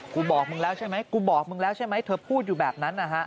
กูบอกมึงแล้วใช่ไหมเธอพูดอยู่แบบนั้น